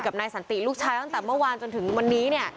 นายสันติลูกชายตั้งแต่เมื่อวานจนถึงวันนี้เนี่ย